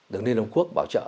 được liên hợp quốc bảo trợ